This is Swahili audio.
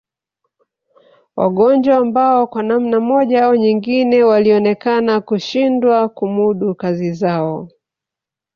Wagonjwa ambao kwa namna moja au nyingine walionekana kushindwa kumudu kazi zao